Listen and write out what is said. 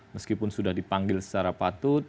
meskipun sudah dipanggil secara patut